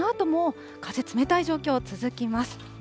このあとも風冷たい状況、続きます。